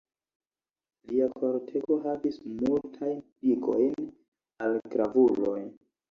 Lia kortego havis multajn ligojn al gravuloj.